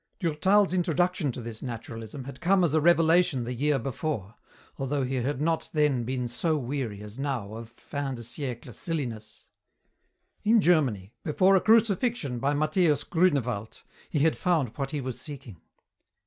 Durtal's introduction to this naturalism had come as a revelation the year before, although he had not then been so weary as now of fin de siècle silliness. In Germany, before a Crucifixion by Matthæus Grünewald, he had found what he was seeking.